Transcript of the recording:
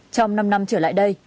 trong năm năm trở lại đây